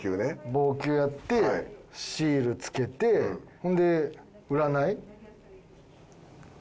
棒灸やってシール付けてほんで占い。